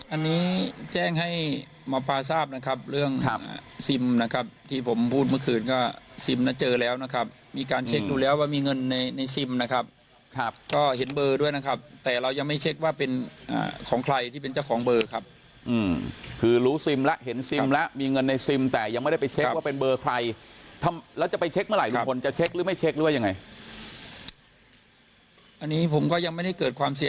อันนี้แจ้งให้หมอปลาทราบนะครับเรื่องครับซิมนะครับที่ผมพูดเมื่อคืนก็ซิมแล้วเจอแล้วนะครับมีการเช็คดูแล้วว่ามีเงินในซิมนะครับครับก็เห็นเบอร์ด้วยนะครับแต่เรายังไม่เช็คว่าเป็นของใครที่เป็นเจ้าของเบอร์ครับคือรู้ซิมและเห็นซิมและมีเงินในซิมแต่ยังไม่ได้ไปเช็คว่าเป็นเบอร์ใครทำแล้วจะไปเ